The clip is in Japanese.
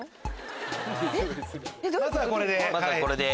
まずはこれで。